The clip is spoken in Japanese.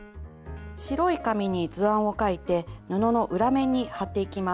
白い紙に図案を描いて布の裏面に貼っていきます。